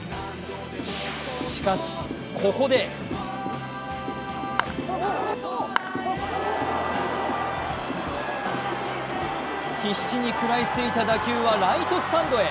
しかし、ここで必死に食らいついた打球はライトスタンドへ。